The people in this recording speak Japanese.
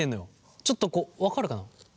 ちょっと分かるかな？